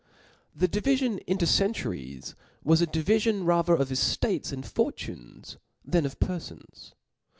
The divifion into centuries was a divifion rather of eftates and fortunes, than of pcrfons.